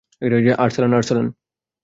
Arsalan, Arsalan!